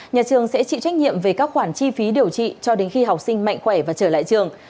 nhà trường sẽ chịu trách nhiệm về các khoản chi phí điều trị cho đến khi học sinh mạnh khỏe và trở lại trường